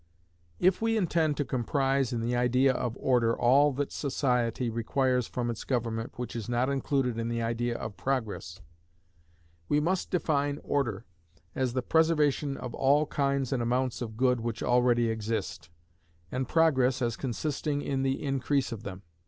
If we intend to comprise in the idea of Order all that society requires from its government which is not included in the idea of Progress, we must define Order as the preservation of all kinds and amounts of good which already exist, and Progress as consisting in the increase of them.